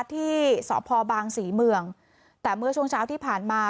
ที่สพบางศรีเมืองแต่เมื่อช่วงเช้าที่ผ่านมา